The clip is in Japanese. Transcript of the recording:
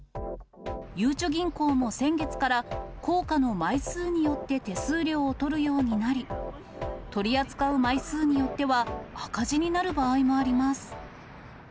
ゆうちょ銀行も先月から、硬貨の枚数によって手数料を取るようになり、取り扱う枚数によっては赤字になる場合もあります。